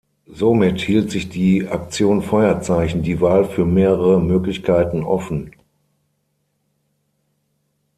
Somit hielt sich die "Aktion Feuerzeichen" die Wahl für mehrere Möglichkeiten offen.